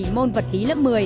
môn vật lý lớp một mươi